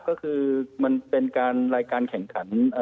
ก็คือมันเป็นการรายการแข่งขัน